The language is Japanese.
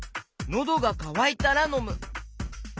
のどがかわいたらのむ！